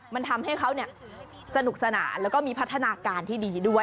มันทำให้เขาสนุกสนานแล้วก็มีพัฒนาการที่ดีด้วย